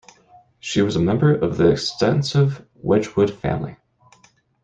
She was a member of the extensive Wedgwood family.